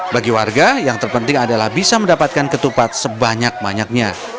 bagi warga yang terpenting adalah bisa mendapatkan ketupat sebanyak banyaknya